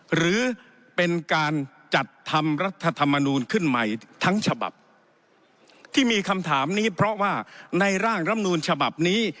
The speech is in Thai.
หรือเป็นการจัดทำรัฐธรรมนูลขึ้นใหม่ทั้งฉบับที่มีคำถามนี้เพราะว่าในร่างรำนูลฉบับนี้